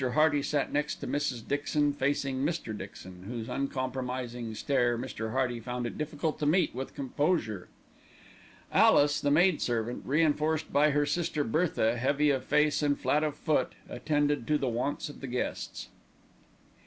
Hearty sat next to Mrs. Dixon, facing Mr. Dixon, whose uncompromising stare Mr. Hearty found it difficult to meet with composure. Alice, the maid servant, reinforced by her sister Bertha, heavy of face and flat of foot, attended to the wants of the guests.